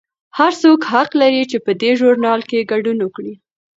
هر څوک حق لري چې په دې ژورنال کې ګډون وکړي.